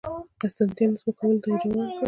قسطنطین ځمکوالو ته اجازه ورکړه